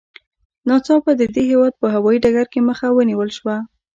ناڅاپه د دې هېواد په هوايي ډګر کې مخه ونیول شوه.